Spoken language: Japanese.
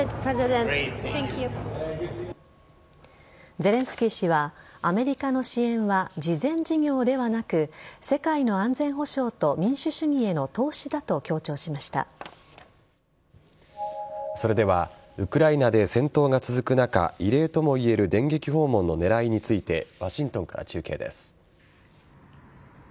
ゼレンスキー氏はアメリカの支援は慈善事業ではなく世界の安全保障と民主主義への投資だとそれではウクライナで戦闘が続く中異例ともいえる電撃訪問の狙いについてワシントンから中継です。